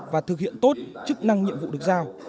và thực hiện tốt chức năng nhiệm vụ được giao